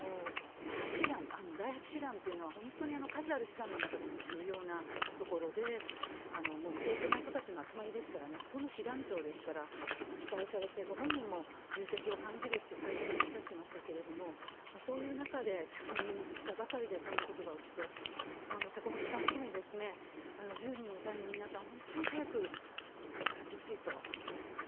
第８師団っていうのは、本当に数ある師団の中でも重要なところで、もう精強な人たちの集まりですからね、そこの師団長ですから、期待されて、ご本人も重責を感じるって会見でおっしゃってましたけれども、そういう中で着任したばかりでこんなことが起きて、坂本さん含め、１０人の隊員の皆さん、本当に早く見つかってほしいと思ってます。